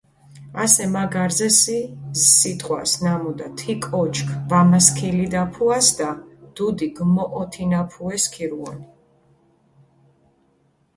ასე მა გარზე სი სიტყვას, ნამუდა თი კოჩქ ვამასქილიდაფუასჷდა, დუდი გჷმოჸოთინაფუე სქირუონ.